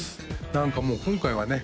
何かもう今回はね